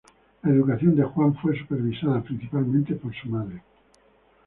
La educación de Juan fue supervisada principalmente por su madre.